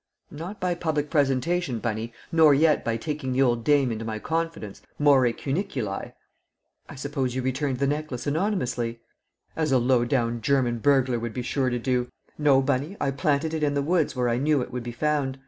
"Not by public presentation, Bunny, nor yet by taking the old dame into my confidence more cuniculi!" "I suppose you returned the necklace anonymously?" "As a low down German burglar would be sure to do! No, Bunny, I planted it in the woods where I knew it would be found.